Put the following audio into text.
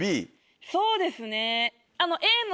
そうですね。